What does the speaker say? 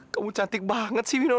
kamu tuh tinggal bangun